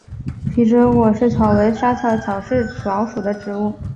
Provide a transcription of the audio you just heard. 反折果薹草为莎草科薹草属的植物。